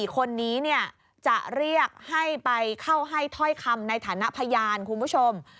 ๔คนนี้จะเรียกให้ไปเข้าให้ถ้อยคำในฐานะพยานคุณผู้ชม